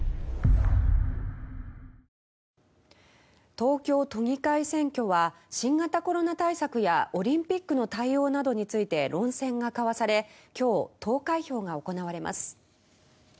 東京都議会選挙は新型コロナ対策やオリンピックの対応などについて論戦が交わされ今日、投開票が行われます。